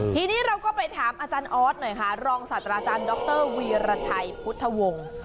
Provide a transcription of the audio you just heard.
ทีนี้เราก็ไปถามอาจารย์ออสหน่อยค่ะรองศาสตราจารย์ดรวีรชัยพุทธวงศ์